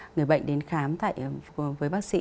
người bệnh đến khám với bác sĩ